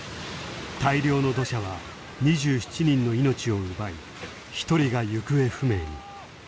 大量の土砂は２７人の命を奪い１人が行方不明に。